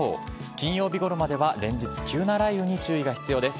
金曜日ごろまでは連日、急な雷雨に注意が必要です。